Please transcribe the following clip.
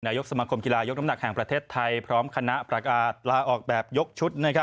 ยกสมคมกีฬายกน้ำหนักแห่งประเทศไทยพร้อมคณะประกาศลาออกแบบยกชุด